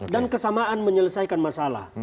dan kesamaan menyelesaikan masalah